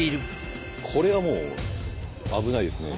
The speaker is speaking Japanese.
これはもう危ないですね。